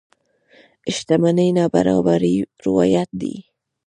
شتمنۍ نابرابرۍ روايت دي.